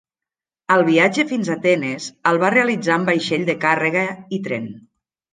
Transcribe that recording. El viatge fins a Atenes el va realitzar en vaixell de càrrega i tren.